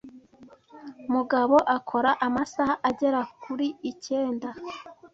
Mugabo akora amasaha agera kuri icyenda